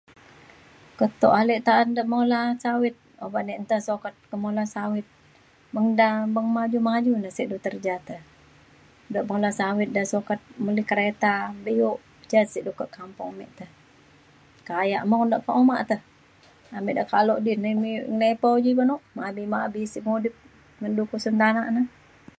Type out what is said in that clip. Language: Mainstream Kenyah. keto ale ta’an de mula sawit oban e nta sukat ke mula sawit beng da beng maju maju na sek du terja te. de pola sawit da sukat meli kereta bio ja sik du ke kampung ame te. kaya mung de ke uma te. ame da kalo di nai ngenepau ji banuk mabi mabi sik mudip ngen du ke usun tanak ne